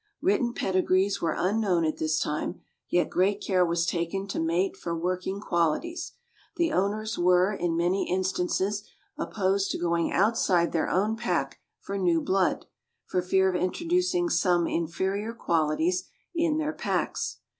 Written pedigrees were unknown at this time, yet great care was taken to mate for working qualities. The owners were, in many instances, opposed to going outside their, own pack for new blood, for fear of introducing some infe rior qualities in their packs.